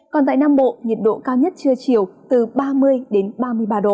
còn tại nam bộ nhiệt độ cao nhất trưa chiều từ ba mươi ba mươi ba độ